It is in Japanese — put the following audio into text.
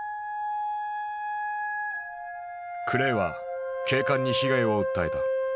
クレイは警官に被害を訴えた。